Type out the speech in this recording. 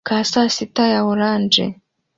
ka sasita ya orange